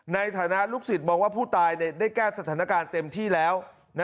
ในฐานะลูกศิษย์มองว่าผู้ตายได้แก้สถานการณ์เต็มที่แล้ว